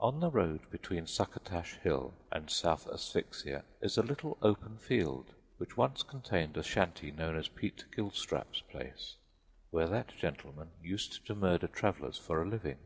On the road between Succotash Hill and South Asphyxia is a little open field which once contained a shanty known as Pete Gilstrap's Place, where that gentleman used to murder travelers for a living.